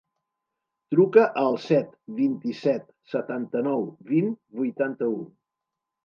Truca al set, vint-i-set, setanta-nou, vint, vuitanta-u.